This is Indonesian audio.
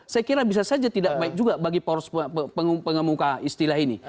saya kira bisa saja tidak baik juga bagi poros pengemuka istilah ini